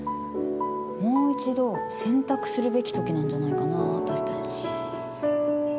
もう一度選択するべき時なんじゃないかな私たち。